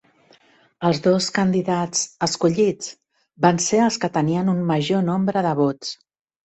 Els dos candidats escollits van ser els que tenien un major nombre de vots.